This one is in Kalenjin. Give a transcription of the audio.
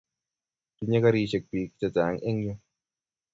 Tinye karisyek pik chechang' eng' yu